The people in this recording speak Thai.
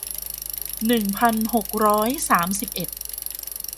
หนึ่งพันหกร้อยสามสิบเอ็ด